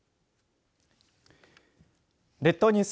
列島ニュース